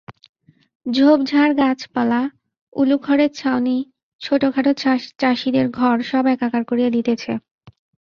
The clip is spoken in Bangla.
ঝোপঝাড় গাছপালা, উলুখড়ের চাউনি, ছোটখাটো চাষীদের ঘর সব একাকার করিয়া দিতেছে!